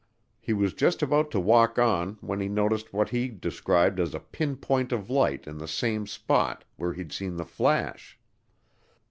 He was just about to walk on when he noticed what he described as "a pinpoint" of light in the same spot where he'd seen the flash.